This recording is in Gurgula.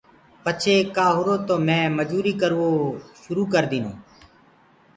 پڇي ڪآ هُرو تو مي مجدٚري ڪروو شروٚ ڪر ديٚنو۔